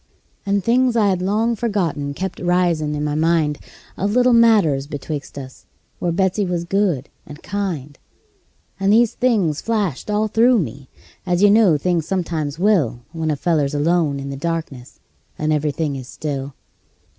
And things I had long forgotten kept risin' in my mind, Of little matters betwixt us, where Betsey was good and kind; And these things flashed all through me, as you know things sometimes will When a feller's alone in the darkness, and every thing is still.